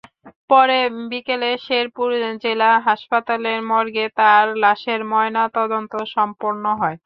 পরে বিকেলে শেরপুর জেলা হাসপাতালের মর্গে তাঁর লাশের ময়নাতদন্ত সম্পন্ন হয়।